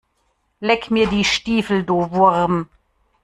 Leck mir die Stiefel, du Wurm!